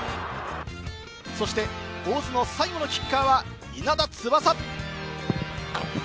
そして大津の最後のキッカーは稲田翼。